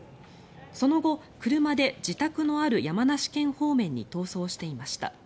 その後、車で自宅のある山梨県方面に逃走していました。